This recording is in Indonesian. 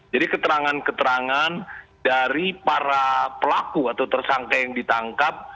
keterangan keterangan dari para pelaku atau tersangka yang ditangkap